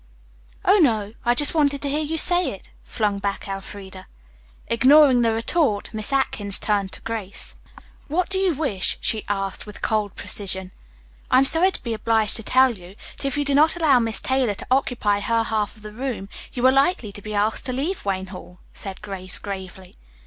"Oh, no, I just wanted to hear you say it," flung back Elfreda. Ignoring this retort, Miss Atkins turned to Grace. "What do you wish?" she asked with cold precision. "I am sorry to be obliged to tell you that if you do not allow Miss Taylor to occupy her half of the room, you are likely to be asked to leave Wayne Hall," said Grace gravely.